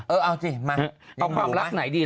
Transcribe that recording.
เออเอาสิมา